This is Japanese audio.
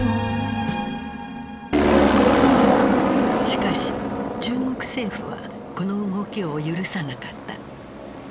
しかし中国政府はこの動きを許さなかった。